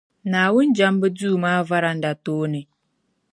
Naawuni jɛmbu duu maa varanda tooni.